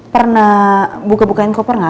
pernah buka bukain koper gak